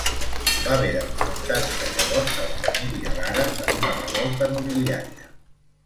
Va haver d'enfrontar-se llavors a la Família Lara per una revolta nobiliària.